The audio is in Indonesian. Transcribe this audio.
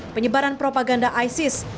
penyebaran propaganda isis